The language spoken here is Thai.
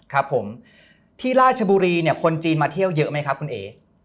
ครับผมที่ราชบุรีเนี่ยคนจีนมาเที่ยวเยอะไหมครับคุณเอ๋